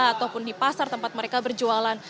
ataupun di pasar tempat mereka berjualan